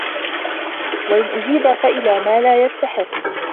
وَإِنْ أُجِيبَ فَإِلَى مَا لَا يَسْتَحِقُّ